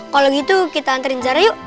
kalau gitu kita anterin zara yuk